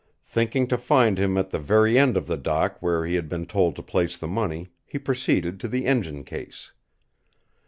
Thinking to find him at the very end of the dock where he had been told to place the money, he proceeded to the engine case.